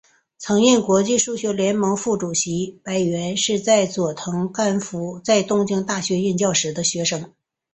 曾任国际数学联盟副主席柏原是佐藤干夫在东京大学任教时的学生。